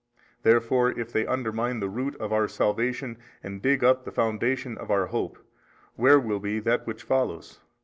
Therefore if they undermine the root of our salvation and dig up the foundation of our hope, where will be that which follows?